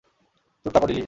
চুপ থাকো, লিলি।